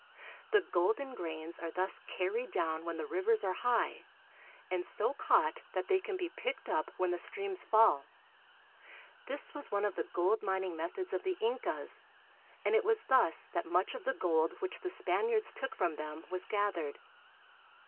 The golden grains are thus carried down when the rivers are high, and so caught Hydraulic Mining. 90 BOLIVIA. that they can be picked up when the streams fall. This was one of the gold mining methods of the Incas, and it was thus that much of the gold which the Spaniards took from them was gathered.